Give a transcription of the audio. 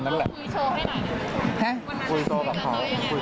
คุยโชว์ให้หน่ายเลย